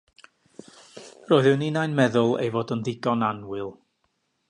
Roeddwn innau'n meddwl ei fod yn ddigon annwyl.